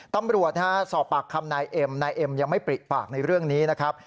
ตำรวจสอบปากคำนายเอ็มนายเอ็มยังไม่ปริปากในเรื่องนี้นะครับ